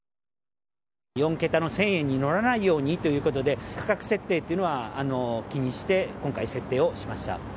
４桁の１０００に乗らないようということで、価格設定というのは、気にして、今回、設定をしました。